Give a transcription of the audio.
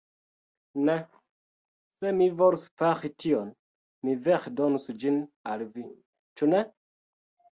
Ne! Se mi volus fari tion, mi vere donus ĝin al vi, ĉu ne?